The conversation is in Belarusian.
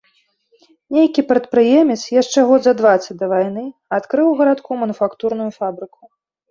Нейкі прадпрыемец, яшчэ год за дваццаць да вайны, адкрыў у гарадку мануфактурную фабрыку.